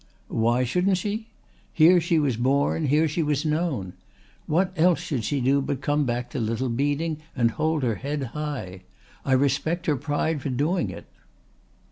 "Why shouldn't she? Here she was born, here she was known. What else should she do but come back to Little Beeding and hold her head high? I respect her pride for doing it."